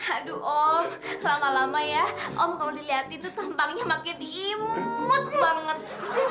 aduh om lama lama ya om kalau dilihat itu tumpangnya makin imut banget